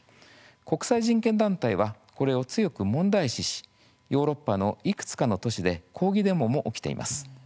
国際人権団体はこれを強く問題視しヨーロッパのいくつかの都市で抗議デモも起きています。